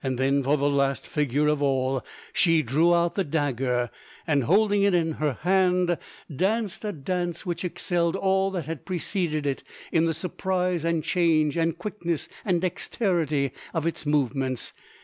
Then, for the last figure of all, she drew out the dagger and, holding it in her hand, danced a dance which excelled all that had preceded it in the surprise and change and quickness and dexterity of its movements.